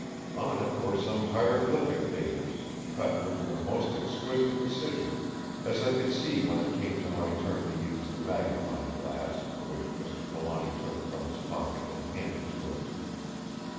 On it were some hieroglyphic figures, cut with the most exquisite precision, as I could see when it came to my turn to use the magnifying glass, which Mr. Trelawny took from his pocket and handed to us.